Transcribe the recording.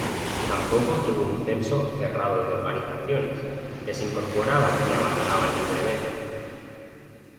Tampoco tuvo un censo cerrado de organizaciones, que se incorporaban y abandonaban libremente.